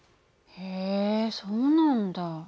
へえそうなんだ。